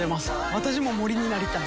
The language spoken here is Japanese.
私も森になりたい。